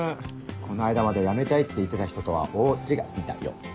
この間まで辞めたいって言ってた人とは大違いだよ。